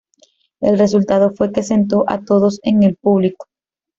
El resultado fue que sentó a todos en el público.